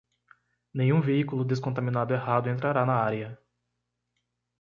Nenhum veículo descontaminado errado entrará na área.